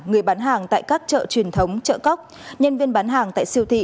người bán hàng tại các chợ truyền thống chợ cóc nhân viên bán hàng tại siêu thị